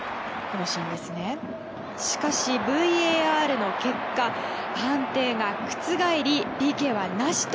しかしＶＡＲの結果、判定が覆りＰＫはなしと。